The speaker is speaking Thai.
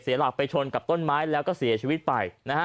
เสียหลักไปชนกับต้นไม้แล้วก็เสียชีวิตไป